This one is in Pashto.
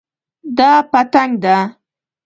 دا پتنګ ده